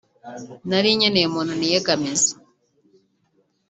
nari nkeneye umuntu niyegamiza